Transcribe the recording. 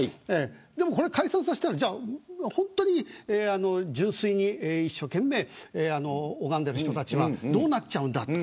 でも、解散させたら純粋に一生懸命拝んでる人たちはどうなっちゃうんだと。